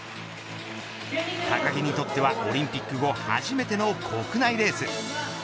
高木にとってはオリンピック後初めての国内レース。